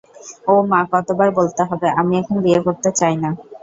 ও মা কতবার বলতে হবে, - আমি এখন বিয়ে করতে চাই না।